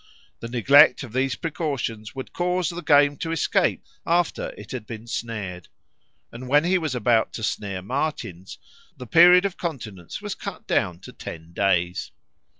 The neglect of these precautions would cause the game to escape after it had been snared. But when he was about to snare martens, the period of continence was cut down to ten days.